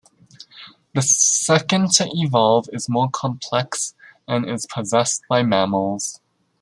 The second to evolve is more complex and is possessed by mammals.